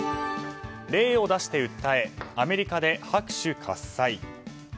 例を出して訴えアメリカで拍手喝采。